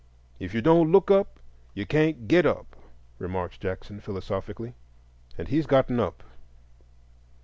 If you don't look up you can't get up,'" remarks Jackson, philosophically. And he's gotten up.